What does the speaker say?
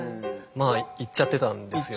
まあ言っちゃってたんですよね。